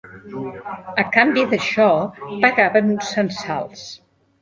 A canvi d’això pagaven uns censals.